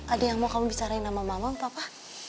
ada yang mau kamu bicarain sama mama apa apa